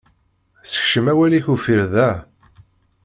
Sekcem awal-ik uffir da.